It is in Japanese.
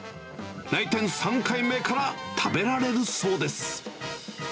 来店３回目から食べられるそうです。